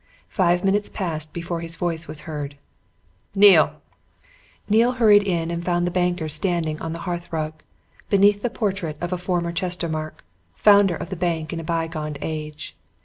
Five minutes passed before his voice was heard. "Neale!" Neale hurried in and found the banker standing on the hearth rug, beneath the portrait of a former Chestermarke, founder of the bank in a bygone age.